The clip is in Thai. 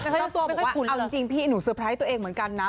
เจ้าตัวบอกว่าคุณเอาจริงพี่หนูเตอร์ไพรส์ตัวเองเหมือนกันนะ